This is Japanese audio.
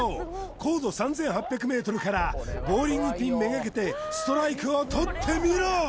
高度３８００ｍからボウリングピン目がけてストライクをとってみろ！